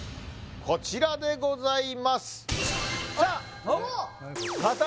こちらでございます・あら！